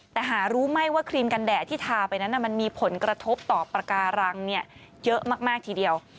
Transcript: แต่หารู้ไหมว่าครีมกันแดดที่ทาไปนั้นมันมีผลกระทบต่อปากการังเยอะมากทีเดียว